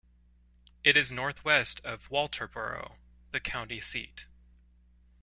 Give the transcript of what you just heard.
It is northwest of Walterboro, the county seat.